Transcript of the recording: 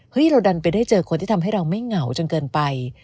เราดันไปได้เจอคนที่ทำให้เราไม่เหงาจนเกินไป